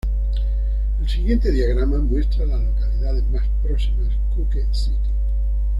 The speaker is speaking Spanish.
El siguiente diagrama muestra a las localidades más próximas Cooke City.